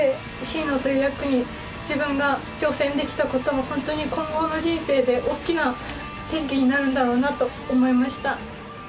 シイノという役に自分が挑戦できたことが本当に今後の人生で大きな転機になるんだろうなと思いました。